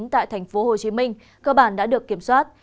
tại tp hcm cơ bản đã được kiểm soát